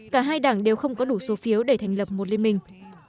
cả hai đảng đều không có đủ số phiếu để thành lập một liên minh